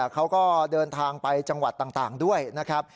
เขาก็เดินทางไปจังหวัดต่างด้วยนะครับ